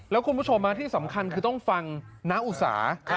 แล้วคุณผู้ชมที่สำคัญคือต้องฟังน้าอุสา